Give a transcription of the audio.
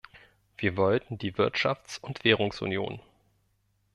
Wir wollten die Wirtschafts- und Währungsunion.